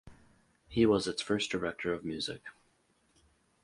He was its first director of music.